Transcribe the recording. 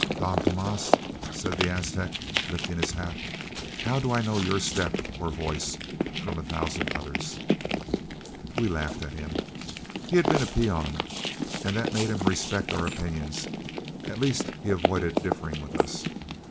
"'Don Tomas,' said the Aztec, lifting his hat, 'how do I know your step or voice from a thousand others?' "We laughed at him. He had been a peon, and that made him respect our opinions at least he avoided differing with us.